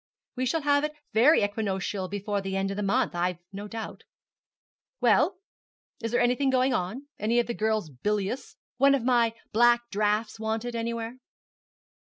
'We shall have it very equinoctial before the end of the month, I've no doubt.' 'Well, is there anything going on? Any of the girls bilious? One of my black draughts wanted anywhere?'